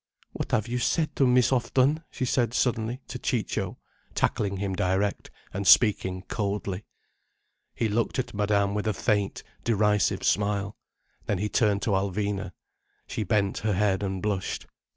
"What have you said to Miss Houghton?" she said suddenly to Ciccio, tackling him direct, and speaking coldly. He looked at Madame with a faint derisive smile. Then he turned to Alvina. She bent her head and blushed.